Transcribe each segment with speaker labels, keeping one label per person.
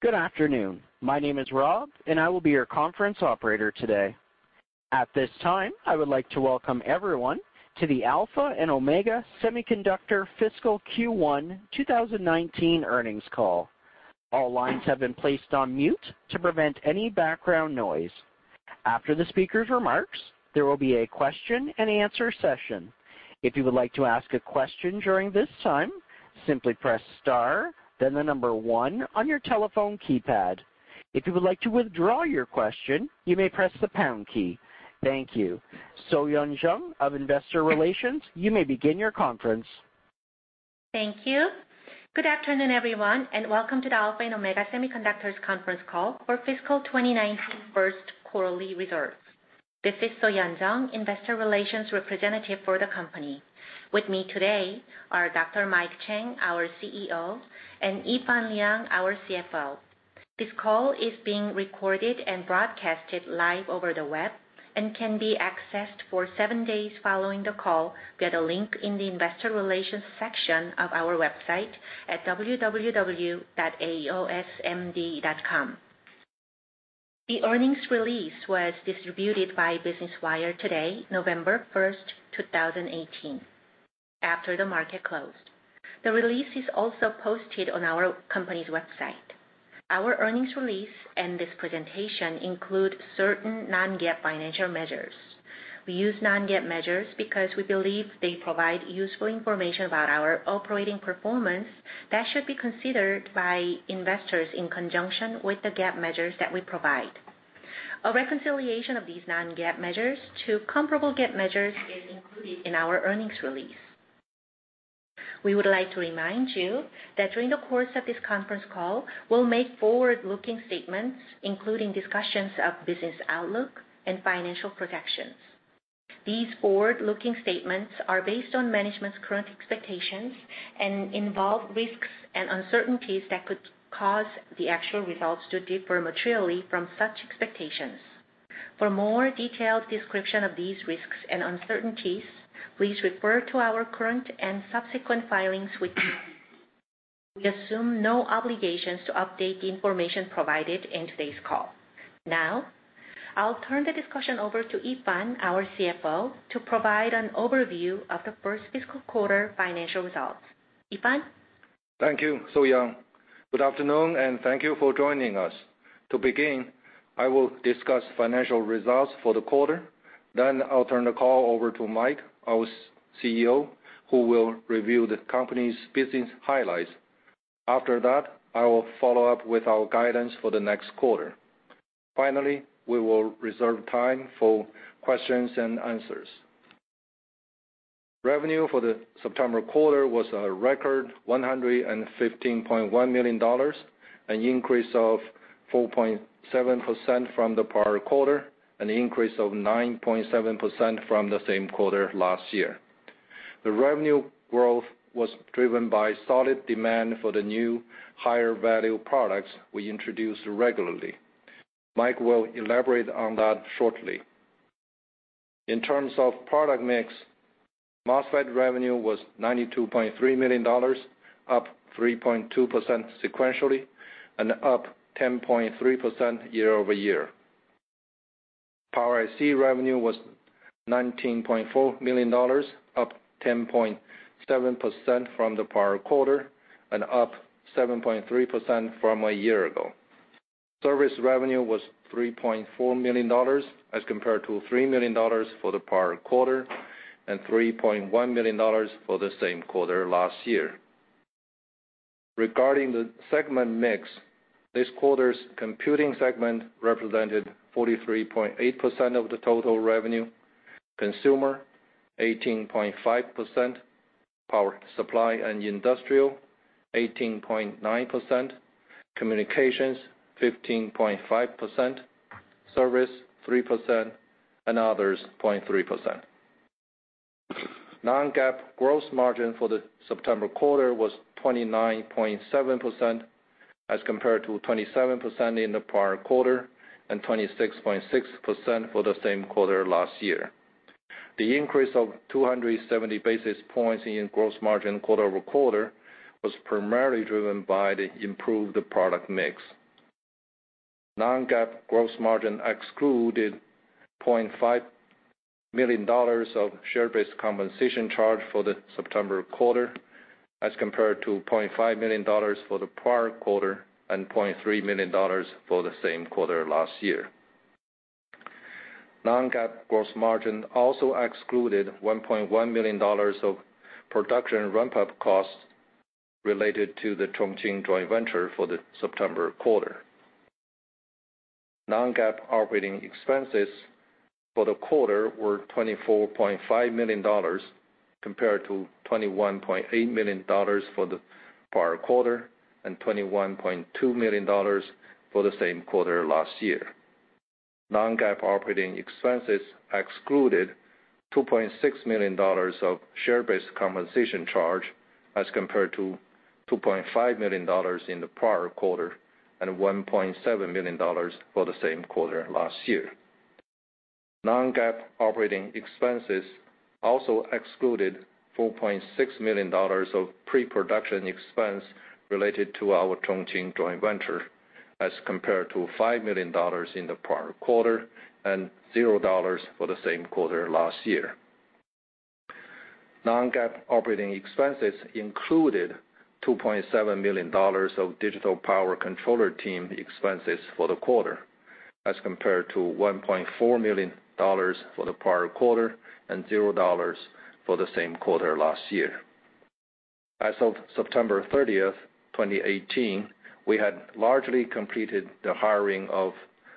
Speaker 1: Good afternoon. My name is Rob, and I will be your conference operator today. At this time, I would like to welcome everyone to the Alpha and Omega Semiconductor fiscal Q1 2019 earnings call. All lines have been placed on mute to prevent any background noise. After the speaker's remarks, there will be a question and answer session. If you would like to ask a question during this time, simply press star, then the number 1 on your telephone keypad. If you would like to withdraw your question, you may press the pound key. Thank you. So-Young Jung of Investor Relations, you may begin your conference.
Speaker 2: Thank you. Good afternoon, everyone, and welcome to the Alpha and Omega Semiconductor conference call for fiscal 2019 first quarterly results. This is So-Young Jung, investor relations representative for the company. With me today are Dr. Mike Chang, our CEO, and Yifan Liang, our CFO. This call is being recorded and broadcasted live over the web and can be accessed for seven days following the call via the link in the investor relations section of our website at www.aosmd.com. The earnings release was distributed by Business Wire today, November 1st, 2018, after the market closed. The release is also posted on our company's website. Our earnings release and this presentation include certain non-GAAP financial measures. We use non-GAAP measures because we believe they provide useful information about our operating performance that should be considered by investors in conjunction with the GAAP measures that we provide. A reconciliation of these non-GAAP measures to comparable GAAP measures is included in our earnings release. We would like to remind you that during the course of this conference call, we'll make forward-looking statements, including discussions of business outlook and financial projections. These forward-looking statements are based on management's current expectations and involve risks and uncertainties that could cause the actual results to differ materially from such expectations. For more detailed description of these risks and uncertainties, please refer to our current and subsequent filings with. We assume no obligations to update the information provided in today's call. Now, I'll turn the discussion over to Yifan, our CFO, to provide an overview of the first fiscal quarter financial results. Yifan?
Speaker 3: Thank you, So-Young. Good afternoon, and thank you for joining us. To begin, I will discuss financial results for the quarter. I'll turn the call over to Mike, our CEO, who will review the company's business highlights. After that, I will follow up with our guidance for the next quarter. Finally, we will reserve time for questions and answers. Revenue for the September quarter was a record $115.1 million, an increase of 4.7% from the prior quarter, an increase of 9.7% from the same quarter last year. The revenue growth was driven by solid demand for the new higher value products we introduce regularly. Mike will elaborate on that shortly. In terms of product mix, MOSFET revenue was $92.3 million, up 3.2% sequentially and up 10.3% year-over-year. Power IC revenue was $19.4 million, up 10.7% from the prior quarter and up 7.3% from a year ago. Service revenue was $3.4 million as compared to $3 million for the prior quarter and $3.1 million for the same quarter last year. Regarding the segment mix, this quarter's computing segment represented 43.8% of the total revenue, consumer 18.5%, power supply and industrial 18.9%, communications 15.5%, service 3%, and others 0.3%. Non-GAAP gross margin for the September quarter was 29.7% as compared to 27% in the prior quarter and 26.6% for the same quarter last year. The increase of 270 basis points in gross margin quarter-over-quarter was primarily driven by the improved product mix. Non-GAAP gross margin excluded $0.5 million of share-based compensation charge for the September quarter as compared to $0.5 million for the prior quarter and $0.3 million for the same quarter last year. Non-GAAP gross margin also excluded $1.1 million of production ramp-up costs related to the Chongqing joint venture for the September quarter. Non-GAAP operating expenses for the quarter were $24.5 million compared to $21.8 million for the prior quarter and $21.2 million for the same quarter last year. Non-GAAP operating expenses excluded $2.6 million of share-based compensation charge as compared to $2.5 million in the prior quarter and $1.7 million for the same quarter last year. Non-GAAP operating expenses also excluded $4.6 million of pre-production expense related to our Chongqing joint venture, as compared to $5 million in the prior quarter and $0 for the same quarter last year. Non-GAAP operating expenses included $2.7 million of digital power controller team expenses for the quarter, as compared to $1.4 million for the prior quarter and $0 for the same quarter last year. As of September 30th, 2018, we had largely completed the hiring of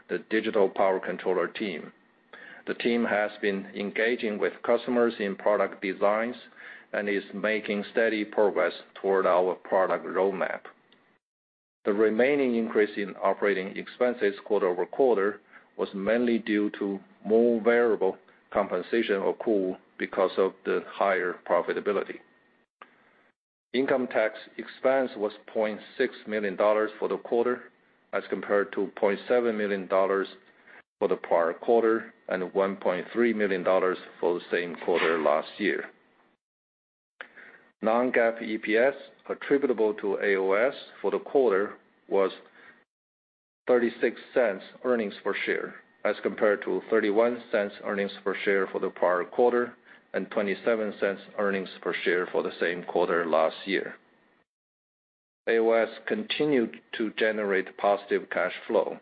Speaker 3: the digital power controller team. The team has been engaging with customers in product designs and is making steady progress toward our product roadmap. The remaining increase in operating expenses quarter-over-quarter was mainly due to more variable compensation accrual because of the higher profitability. Income tax expense was $0.6 million for the quarter, as compared to $0.7 million for the prior quarter and $1.3 million for the same quarter last year. Non-GAAP EPS attributable to AOS for the quarter was $0.36 earnings per share, as compared to $0.31 earnings per share for the prior quarter and $0.27 earnings per share for the same quarter last year. AOS continued to generate positive cash flow.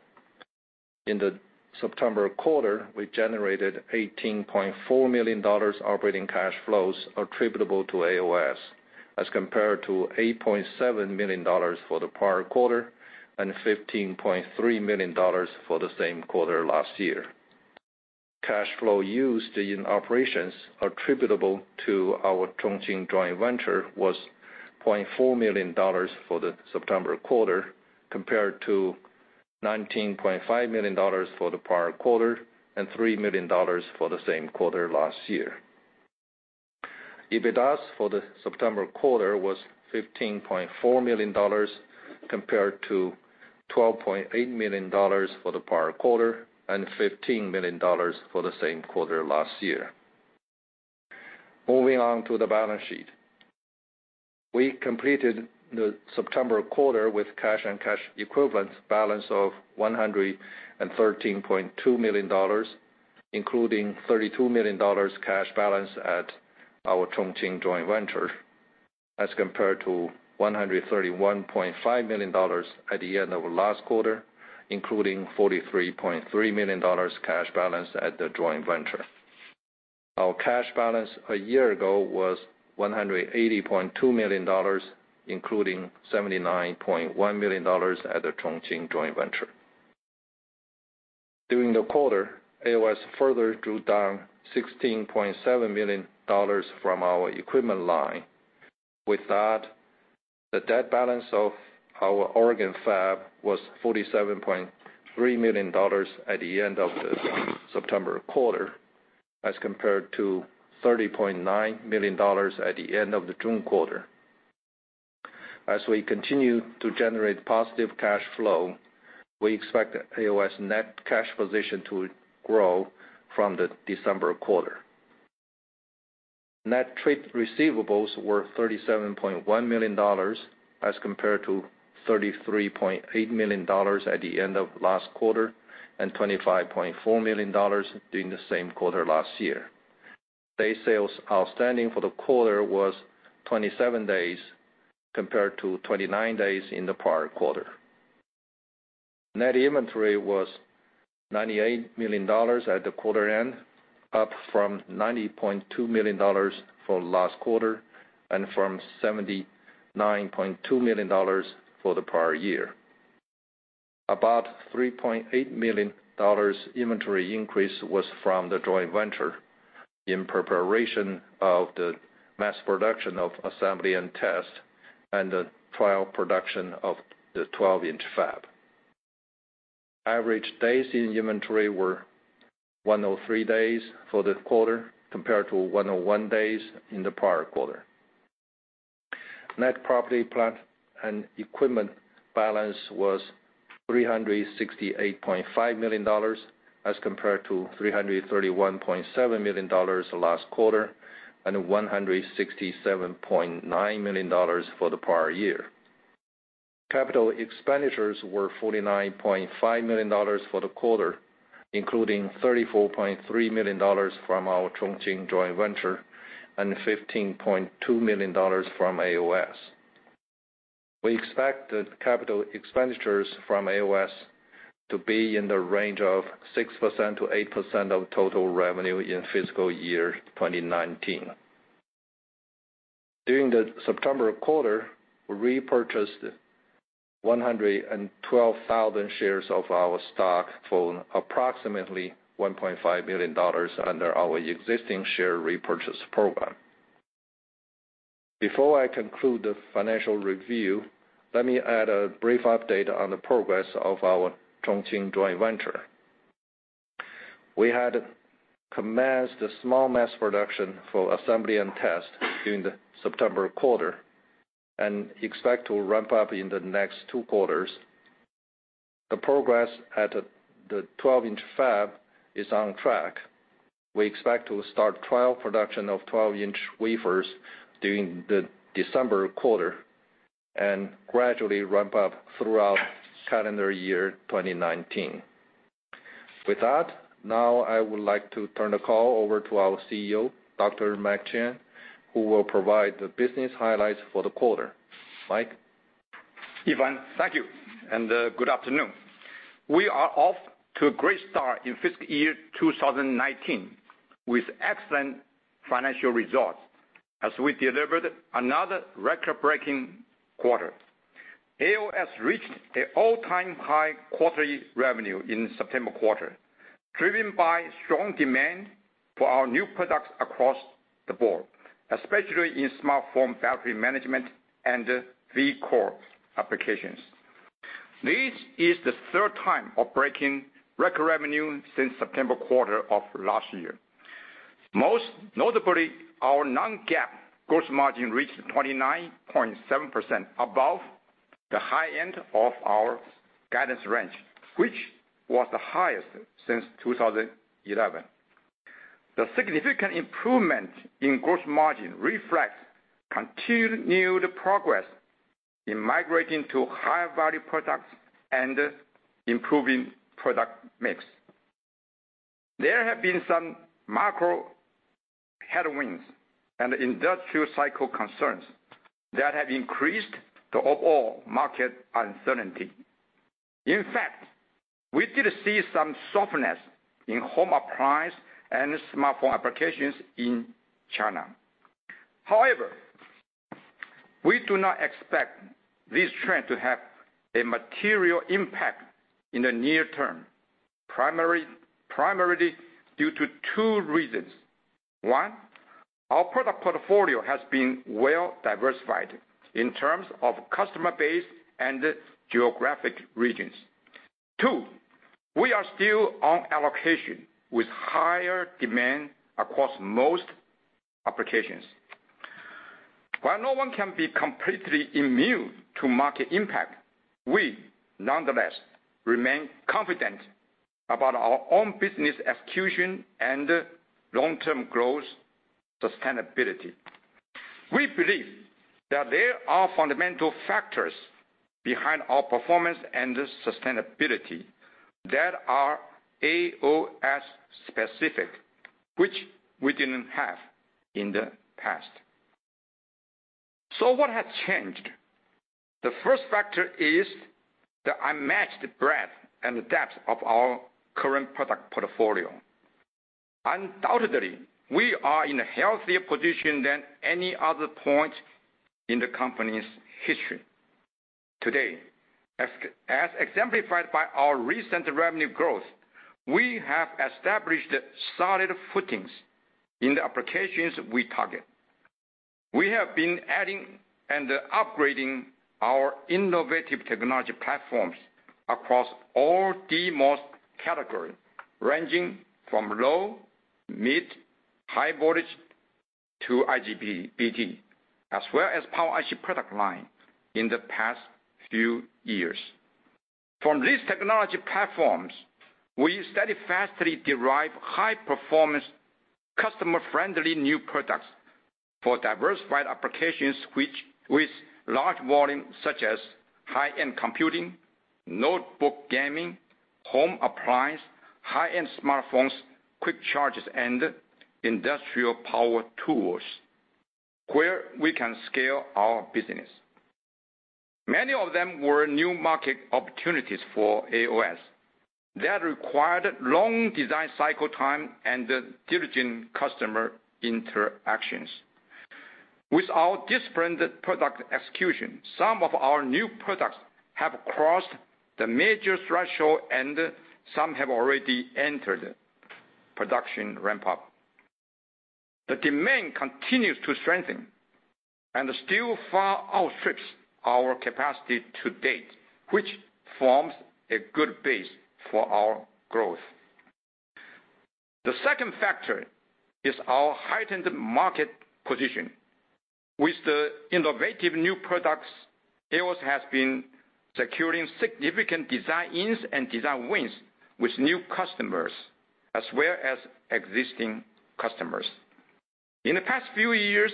Speaker 3: In the September quarter, we generated $18.4 million operating cash flows attributable to AOS, as compared to $8.7 million for the prior quarter and $15.3 million for the same quarter last year. Cash flow used in operations attributable to our Chongqing joint venture was $0.4 million for the September quarter, compared to $19.5 million for the prior quarter and $3 million for the same quarter last year. EBITDA for the September quarter was $15.4 million, compared to $12.8 million for the prior quarter and $15 million for the same quarter last year. Moving on to the balance sheet. We completed the September quarter with cash and cash equivalents balance of $113.2 million, including $32 million cash balance at our Chongqing joint venture, as compared to $131.5 million at the end of last quarter, including $43.3 million cash balance at the joint venture. Our cash balance a year ago was $180.2 million, including $79.1 million at the Chongqing joint venture. During the quarter, AOS further drew down $16.7 million from our equipment line. With that, the debt balance of our Oregon fab was $47.3 million at the end of the September quarter, as compared to $30.9 million at the end of the June quarter. As we continue to generate positive cash flow, we expect AOS net cash position to grow from the December quarter. Net trade receivables were $37.1 million, as compared to $33.8 million at the end of last quarter and $25.4 million during the same quarter last year. Day sales outstanding for the quarter was 27 days, compared to 29 days in the prior quarter. Net inventory was $98 million at the quarter end, up from $90.2 million for last quarter and from $79.2 million for the prior year. About $3.8 million inventory increase was from the joint venture in preparation of the mass production of assembly and test and the trial production of the 12-inch fab. Average days in inventory were 103 days for the quarter, compared to 101 days in the prior quarter. Net property, plant, and equipment balance was $368.5 million, as compared to $331.7 million last quarter and $167.9 million for the prior year. Capital expenditures were $49.5 million for the quarter, including $34.3 million from our Chongqing joint venture and $15.2 million from AOS. We expect the capital expenditures from AOS to be in the range of 6%-8% of total revenue in fiscal year 2019. During the September quarter, we repurchased 112,000 shares of our stock for approximately $1.5 million under our existing share repurchase program. Before I conclude the financial review, let me add a brief update on the progress of our Chongqing joint venture. We had commenced a small mass production for assembly and test during the September quarter. We expect to ramp up in the next two quarters. The progress at the 12-inch fab is on track. We expect to start trial production of 12-inch wafers during the December quarter, and gradually ramp up throughout calendar year 2019. With that, now I would like to turn the call over to our CEO, Dr. Mike Chang, who will provide the business highlights for the quarter. Mike?
Speaker 4: Yifan, thank you, and good afternoon. We are off to a great start in fiscal year 2019, with excellent financial results as we delivered another record-breaking quarter. AOS reached a all-time high quarterly revenue in September quarter, driven by strong demand for our new products across the board, especially in smartphone battery management and Vcore applications. This is the third time of breaking record revenue since September quarter of last year. Most notably, our non-GAAP gross margin reached 29.7%, above the high end of our guidance range, which was the highest since 2011. The significant improvement in gross margin reflects continued progress in migrating to higher value products and improving product mix. There have been some macro headwinds and industrial cycle concerns that have increased the overall market uncertainty. In fact, we did see some softness in home appliance and smartphone applications in China. However, we do not expect this trend to have a material impact in the near term, primarily due to two reasons. One, our product portfolio has been well diversified in terms of customer base and geographic regions. Two, we are still on allocation with higher demand across most applications. While no one can be completely immune to market impact, we nonetheless remain confident about our own business execution and long-term growth sustainability. We believe that there are fundamental factors behind our performance and sustainability that are AOS-specific, which we didn't have in the past. What has changed? The first factor is the unmatched breadth and depth of our current product portfolio. Undoubtedly, we are in a healthier position than any other point in the company's history. Today, as exemplified by our recent revenue growth, we have established solid footings in the applications we target. We have been adding and upgrading our innovative technology platforms across all DMOS category, ranging from low, mid, high voltage to IGBT, as well as Power IC product line in the past few years. From these technology platforms, we steadfastly derive high performance, customer-friendly new products for diversified applications with large volume, such as high-end computing, notebook gaming, home appliance, high-end smartphones, quick charges, and industrial power tools where we can scale our business. Many of them were new market opportunities for AOS that required long design cycle time and diligent customer interactions. With our disciplined product execution, some of our new products have crossed the major threshold and some have already entered production ramp-up. The demand continues to strengthen and still far outstrips our capacity to date, which forms a good base for our growth. The second factor is our heightened market position. With the innovative new products, AOS has been securing significant designs and design wins with new customers, as well as existing customers. In the past few years,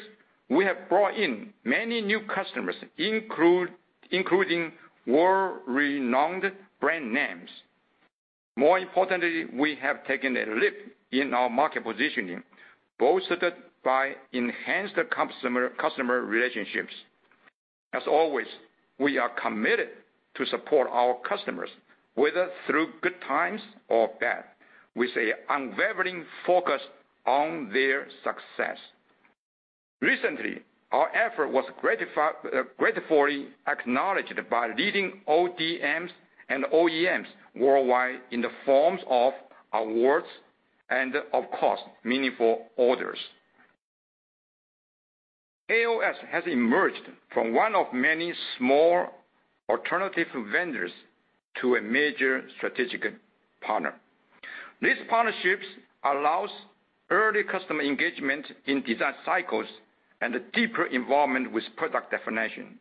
Speaker 4: we have brought in many new customers, including world-renowned brand names. More importantly, we have taken a leap in our market positioning, bolstered by enhanced customer relationships. As always, we are committed to support our customers, whether through good times or bad, with a unwavering focus on their success. Recently, our effort was gratefully acknowledged by leading ODMs and OEMs worldwide in the forms of awards and, of course, meaningful orders. AOS has emerged from one of many small alternative vendors to a major strategic partner. These partnerships allows early customer engagement in design cycles and a deeper involvement with product definition,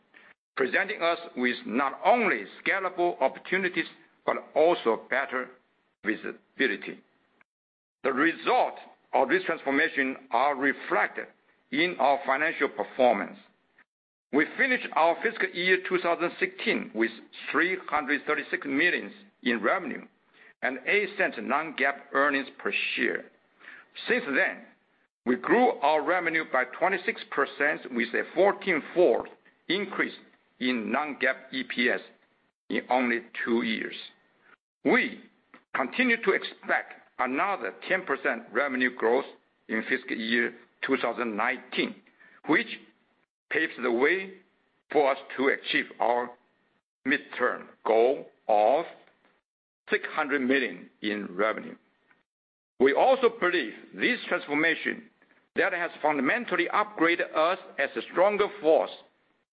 Speaker 4: presenting us with not only scalable opportunities, but also better visibility. The result of this transformation are reflected in our financial performance. We finished our fiscal year 2016 with $336 million in revenue and $0.08 non-GAAP EPS. Since then, we grew our revenue by 26%, with a 14-fold increase in non-GAAP EPS in only two years. We continue to expect another 10% revenue growth in fiscal year 2019, which paves the way for us to achieve our midterm goal of $600 million in revenue. We also believe this transformation that has fundamentally upgraded us as a stronger force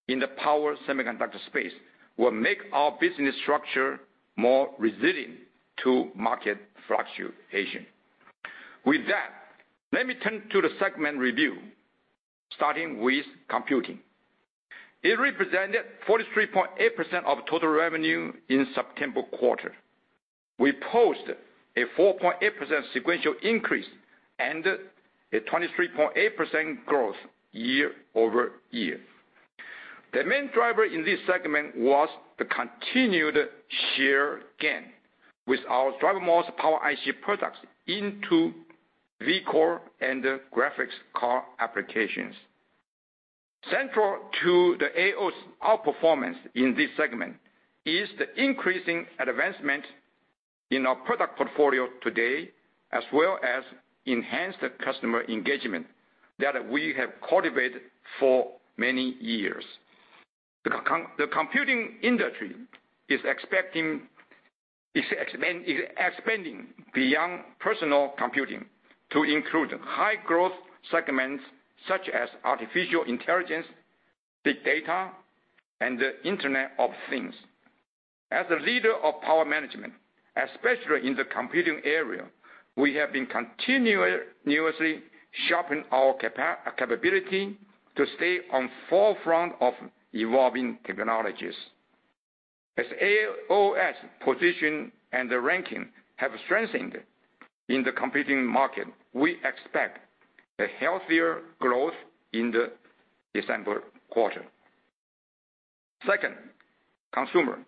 Speaker 4: in the power semiconductor space will make our business structure more resilient to market fluctuation. With that, let me turn to the segment review, starting with computing. It represented 43.8% of total revenue in September quarter. We posted a 4.8% sequential increase and a 23.8% growth year-over-year. The main driver in this segment was the continued share gain with our DrMOS Power IC products into Vcore and graphics card applications. Central to the AOS outperformance in this segment is the increasing advancement in our product portfolio today, as well as enhanced customer engagement that we have cultivated for many years. The computing industry is expanding beyond personal computing to include high growth segments such as artificial intelligence, big data, and the Internet of Things. As a leader of power management, especially in the computing area, we have been continuously sharpening our capability to stay on forefront of evolving technologies. As AOS position and the ranking have strengthened in the computing market, we expect a healthier growth in the December quarter. Second, consumer.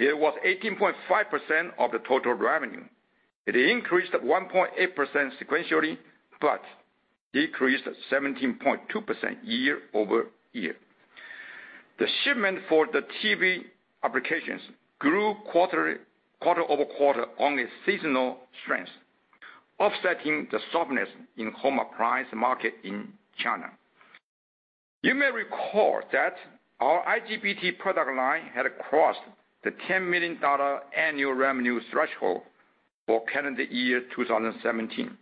Speaker 4: It was 18.5% of the total revenue. It increased 1.8% sequentially, but decreased 17.2% year-over-year. The shipment for the TV applications grew quarter-over-quarter on a seasonal strength, offsetting the softness in home appliance market in China. You may recall that our IGBT product line had crossed the $10 million annual revenue threshold for calendar year 2017.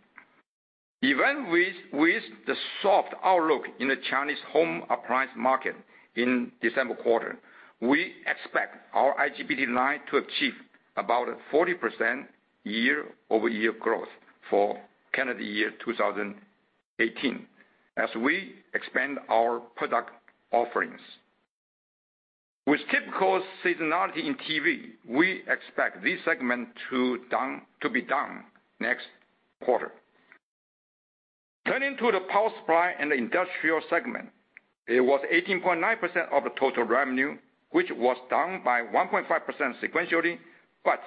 Speaker 4: Even with the soft outlook in the Chinese home appliance market in December quarter, we expect our IGBT line to achieve about a 40% year-over-year growth for calendar year 2018, as we expand our product offerings. With typical seasonality in TV, we expect this segment to be down next quarter. Turning to the power supply and the industrial segment, it was 18.9% of the total revenue, which was down by 1.5% sequentially, but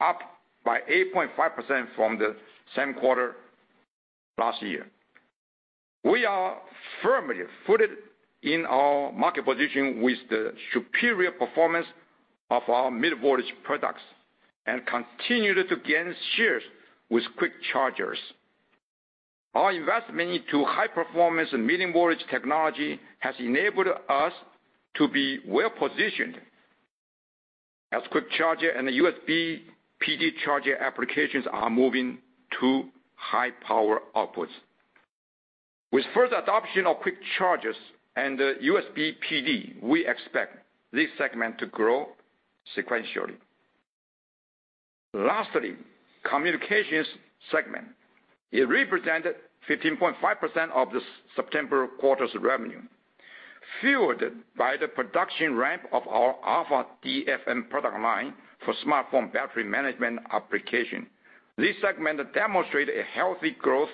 Speaker 4: up by 8.5% from the same quarter last year. We are firmly footed in our market position with the superior performance of our mid voltage products and continue to gain shares with quick chargers. Our investment into high performance and medium voltage technology has enabled us to be well-positioned as quick charger and USB PD charger applications are moving to high power outputs. With further adoption of quick charges and USB PD, we expect this segment to grow sequentially. Lastly, communications segment. It represented 15.5% of the September quarter's revenue. Fueled by the production ramp of our AlphaDFN product line for smartphone battery management application, this segment demonstrated a healthy growth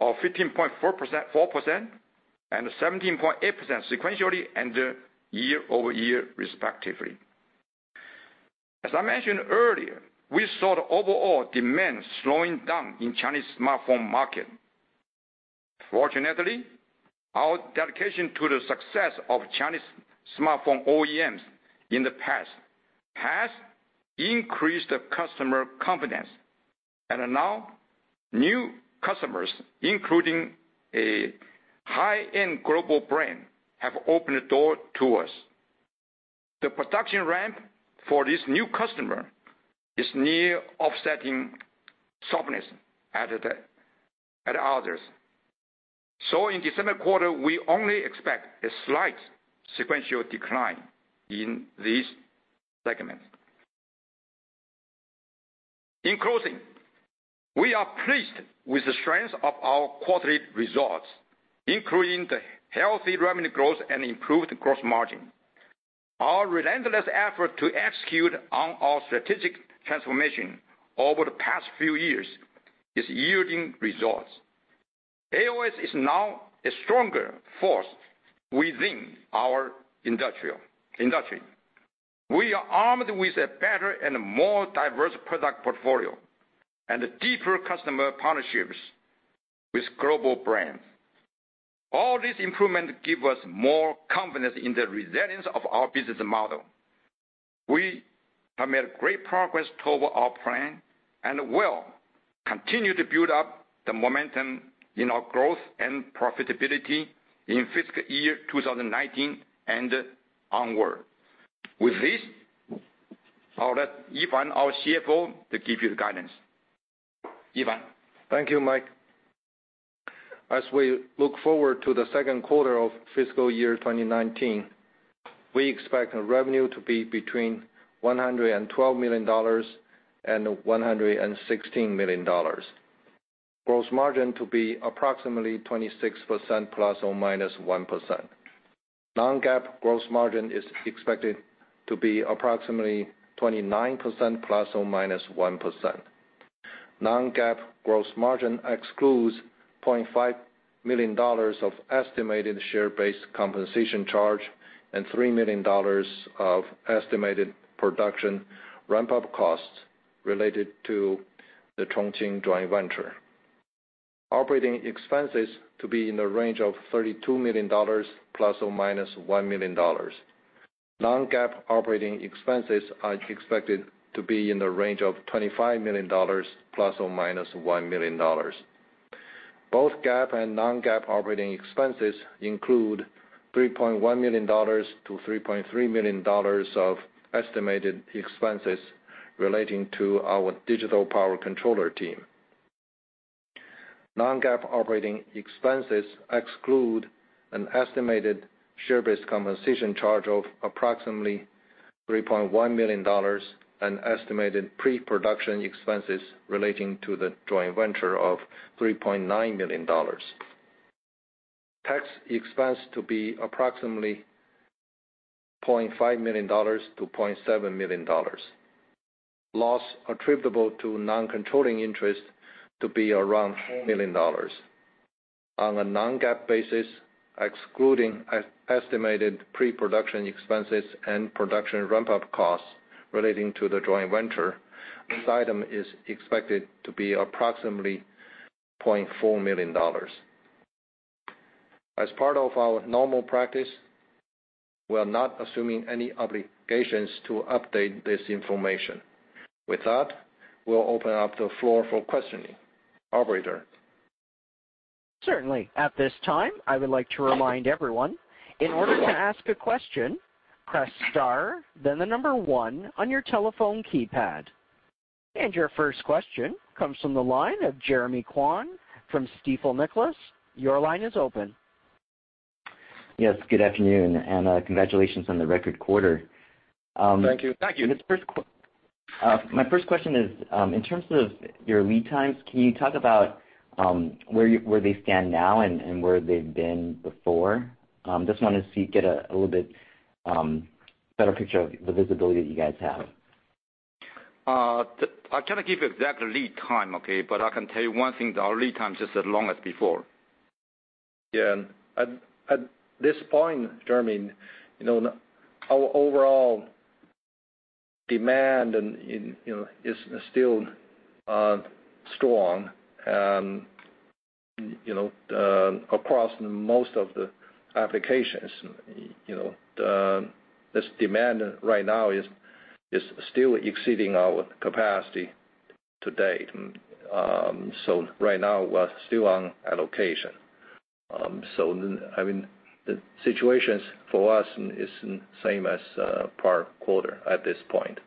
Speaker 4: of 15.4% and 17.8% sequentially and year-over-year, respectively. As I mentioned earlier, we saw the overall demand slowing down in Chinese smartphone market. Fortunately, our dedication to the success of Chinese smartphone OEMs in the past has increased the customer confidence. Now, new customers, including a high-end global brand, have opened the door to us. The production ramp for this new customer is near offsetting softness at others. In December quarter, we only expect a slight sequential decline in this segment. In closing, we are pleased with the strength of our quarterly results, including the healthy revenue growth and improved gross margin. Our relentless effort to execute on our strategic transformation over the past few years is yielding results. AOS is now a stronger force within our industry. We are armed with a better and more diverse product portfolio and deeper customer partnerships with global brands. All these improvements give us more confidence in the resilience of our business model. We have made great progress toward our plan and will continue to build up the momentum in our growth and profitability in fiscal year 2019 and onward. With this, I'll let Yifan, our CFO, give you the guidance. Yifan?
Speaker 3: Thank you, Mike. As we look forward to the second quarter of fiscal year 2019, we expect revenue to be between $112 million and $116 million. Gross margin to be approximately 26%, ±1%. Non-GAAP gross margin is expected to be approximately 29%, ±1%. Non-GAAP gross margin excludes $0.5 million of estimated share-based compensation charge and $3 million of estimated production ramp-up costs related to the Chongqing joint venture. Operating expenses to be in the range of $32 million, ±$1 million. Non-GAAP operating expenses are expected to be in the range of $25 million, ±$1 million. Both GAAP and non-GAAP operating expenses include $3.1 million to $3.3 million of estimated expenses relating to our digital power controller team. Non-GAAP operating expenses exclude an estimated share-based compensation charge of approximately $3.1 million, an estimated pre-production expenses relating to the joint venture of $3.9 million. Tax expense to be approximately $0.5 million to $0.7 million. Loss attributable to non-controlling interest to be around $3 million. On a non-GAAP basis, excluding estimated pre-production expenses and production ramp-up costs relating to the joint venture, this item is expected to be approximately $0.4 million. As part of our normal practice, we are not assuming any obligations to update this information. With that, we'll open up the floor for questioning. Operator?
Speaker 1: Certainly. At this time, I would like to remind everyone, in order to ask a question, press star, then the number 1 on your telephone keypad. Your first question comes from the line of Jeremy Kwan from Stifel Nicolaus. Your line is open.
Speaker 5: Yes, good afternoon, and congratulations on the record quarter.
Speaker 4: Thank you.
Speaker 3: Thank you.
Speaker 5: My first question is, in terms of your lead times, can you talk about where they stand now and where they've been before? Just wanted to get a little bit better picture of the visibility that you guys have.
Speaker 4: I cannot give exact lead time, okay. I can tell you one thing, our lead time is as long as before.
Speaker 3: At this point, Jeremy, our overall demand is still strong across most of the applications. This demand right now is still exceeding our capacity to date. Right now, we're still on allocation. The situation for us is same as per quarter at this point.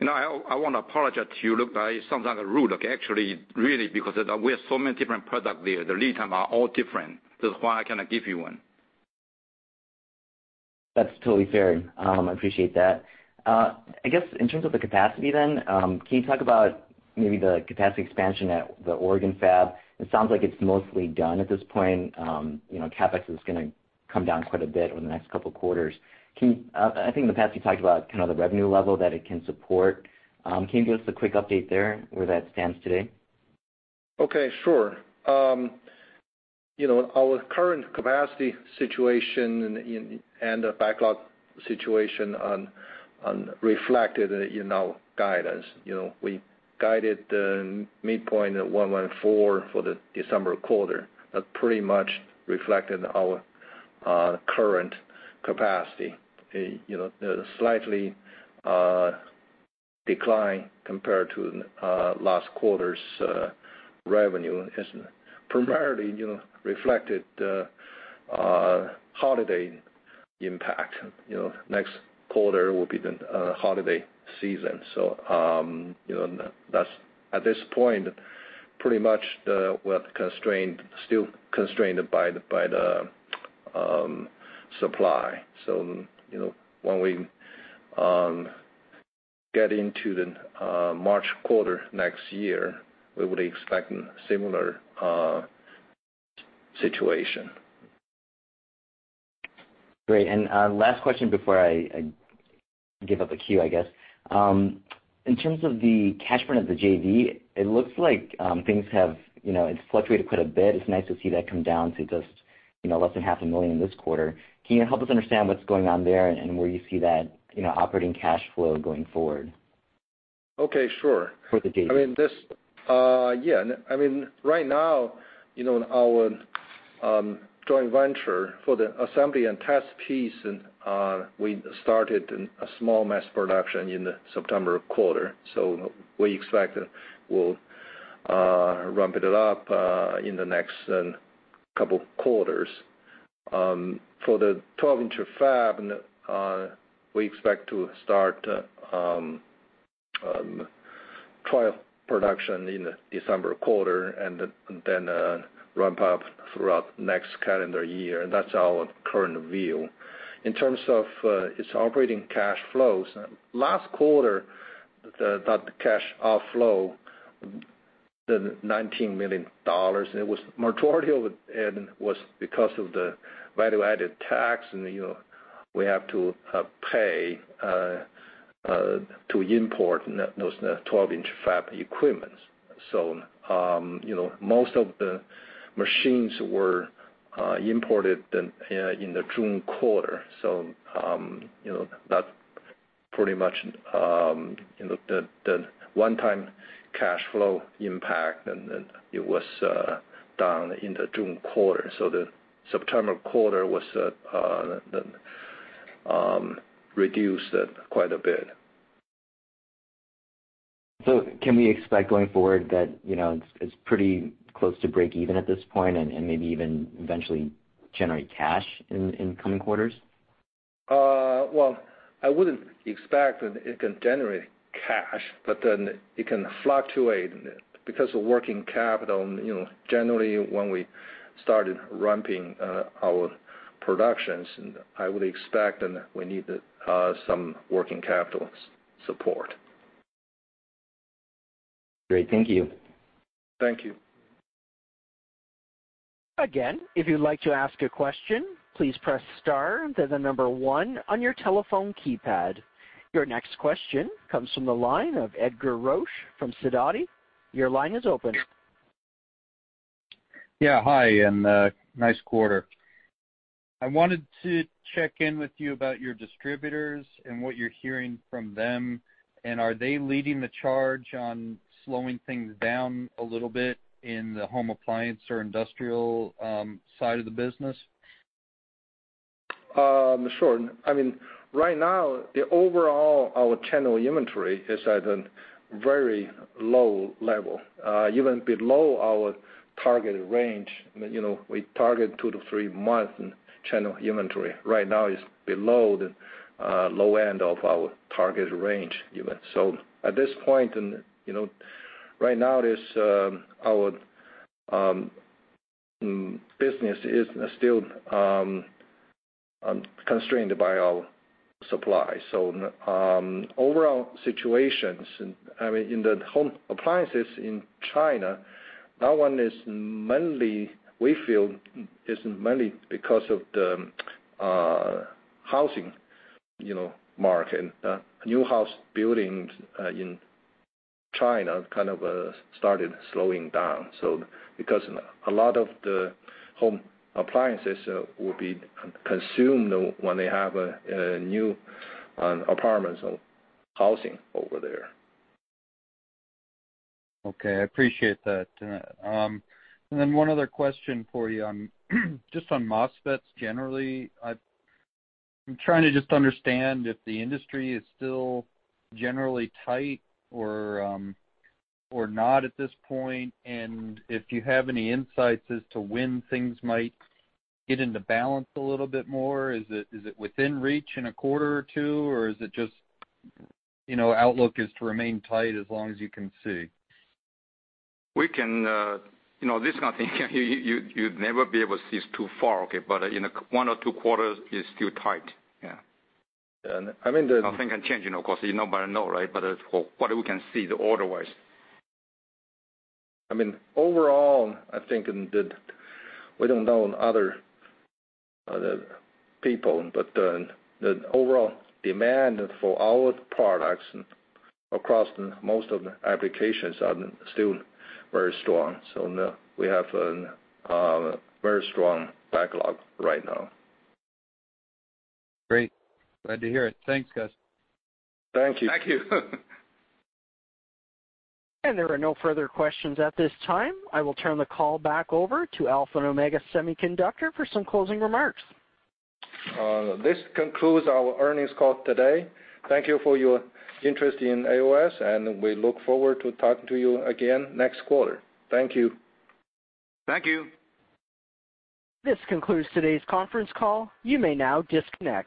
Speaker 4: I want to apologize to you. It sounds like rude, actually, really, because we have so many different product there. The lead time are all different. That's why I cannot give you one.
Speaker 5: That's totally fair. I appreciate that. I guess in terms of the capacity then, can you talk about maybe the capacity expansion at the Oregon fab? It sounds like it's mostly done at this point. CapEx is going to come down quite a bit over the next couple of quarters. I think in the past, you talked about the revenue level that it can support. Can you give us a quick update there, where that stands today?
Speaker 3: Okay, sure. Our current capacity situation and the backlog situation reflected in our guidance. We guided the midpoint at $114 for the December quarter. That pretty much reflected our current capacity. The slightly decline compared to last quarter's revenue is primarily reflected holiday impact. Next quarter will be the holiday season. At this point, pretty much we're still constrained by the supply. When we get into the March quarter next year, we would expect similar situation.
Speaker 5: Great. Last question before I give up the queue, I guess. In terms of the cash burn of the JV, it looks like things have fluctuated quite a bit. It's nice to see that come down to just less than half a million this quarter. Can you help us understand what's going on there, and where you see that operating cash flow going forward?
Speaker 3: Okay, sure.
Speaker 5: For the JV.
Speaker 3: Yeah. Right now, our joint venture for the assembly and test piece, and we started a small mass production in the September quarter. We expect that we'll ramp it up in the next couple quarters. For the 12-inch fab, we expect to start trial production in the December quarter and then ramp up throughout next calendar year. That's our current view. In terms of its operating cash flows, last quarter, that cash outflow, the $19 million, it was majority of it was because of the value-added tax, and we have to pay to import those 12-inch fab equipments. Most of the machines were imported in the June quarter. That's pretty much the one-time cash flow impact, and then it was done in the June quarter, so the September quarter reduced it quite a bit.
Speaker 5: Can we expect going forward that it's pretty close to breakeven at this point and maybe even eventually generate cash in coming quarters?
Speaker 3: I wouldn't expect that it can generate cash, it can fluctuate because of working capital. Generally, when we started ramping our productions, I would expect that we need some working capital support.
Speaker 5: Great. Thank you.
Speaker 3: Thank you.
Speaker 1: Again, if you'd like to ask a question, please press star, then the number one on your telephone keypad. Your next question comes from the line of Edgar Roche from Sidoti. Your line is open.
Speaker 6: Hi, nice quarter. I wanted to check in with you about your distributors and what you're hearing from them. Are they leading the charge on slowing things down a little bit in the home appliance or industrial side of the business?
Speaker 3: Sure. Right now, the overall, our channel inventory is at a very low level, even below our targeted range. We target two to three-month channel inventory. Right now, it's below the low end of our targeted range even. At this point, right now, our business is still constrained by our supply. Overall situations, in the home appliances in China, that one is mainly, we feel, is mainly because of the housing market. New house buildings in China kind of started slowing down. Because a lot of the home appliances will be consumed when they have new apartments or housing over there.
Speaker 6: Okay, I appreciate that. One other question for you on, just on MOSFETs generally. I'm trying to just understand if the industry is still generally tight or not at this point, and if you have any insights as to when things might get into balance a little bit more. Is it within reach in a quarter or two, or is it just outlook is to remain tight as long as you can see?
Speaker 3: This kind of thing, you'd never be able to see it's too far, okay? In one or two quarters, it's still tight, yeah. I mean nothing can change, of course. Nobody knows, right? What we can see the order was. Overall, I think, we don't know other people, but the overall demand for our products across most of the applications are still very strong. We have a very strong backlog right now.
Speaker 6: Great. Glad to hear it. Thanks, guys.
Speaker 3: Thank you. Thank you.
Speaker 1: There are no further questions at this time. I will turn the call back over to Alpha and Omega Semiconductor for some closing remarks.
Speaker 3: This concludes our earnings call today. Thank you for your interest in AOS, and we look forward to talking to you again next quarter. Thank you. Thank you.
Speaker 1: This concludes today's conference call. You may now disconnect.